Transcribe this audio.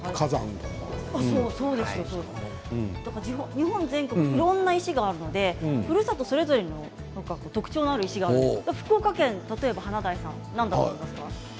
日本全国にいろんな石があるので、ふるさとそれぞれの特徴のある石があって福岡県も例えば華大さん何だか分かりますか。